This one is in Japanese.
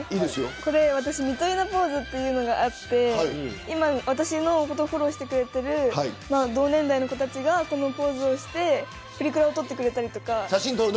これ、みとゆなポーズというのがあって今、私のことをフォローしてくれている同年代の子たちがこのポーズをしてプリクラを撮ってくれたりとか。